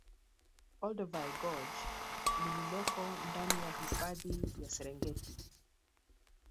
Olduvai Gorge lililoko ndani ya hifadhi ya Serengeti